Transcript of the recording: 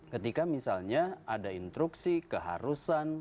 ketika misalnya ada instruksi keharusan